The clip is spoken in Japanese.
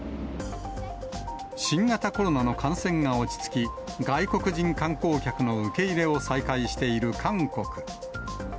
新型コロナの感染が落ち着き、外国人観光客の受け入れを再開している韓国。